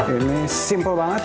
ini simple banget